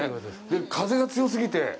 で、風が強すぎて？